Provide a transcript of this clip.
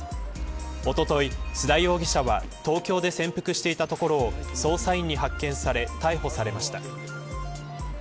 おととい、須田容疑者は東京で潜伏していたところを捜査員に発見され逮捕されました。